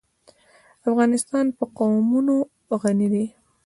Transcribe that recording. افغانستان په قومونه غني دی.